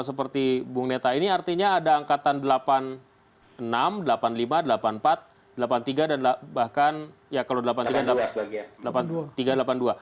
seperti bung neta ini artinya ada angkatan delapan puluh enam delapan puluh lima delapan puluh empat delapan puluh tiga dan bahkan ya kalau tiga ratus delapan puluh dua